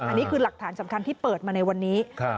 อันนี้คือหลักฐานสำคัญที่เปิดมาในวันนี้